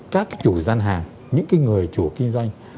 các cái chủ gian hàng những cái người chủ kinh doanh